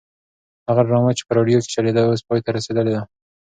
هغه ډرامه چې په راډیو کې چلېده اوس پای ته رسېدلې ده.